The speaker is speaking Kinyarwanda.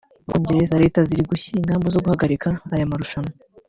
u Bwongereza … leta ziri gushyiraho ingamba zo guhagarika aya marushanwa